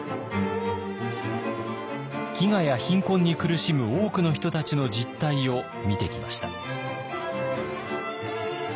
飢餓や貧困に苦しむ多くの人たちの実態を見てきました。